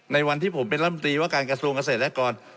ในวันที่ผมเป็นลำตีว่าการกระทรวงเกษตรและกร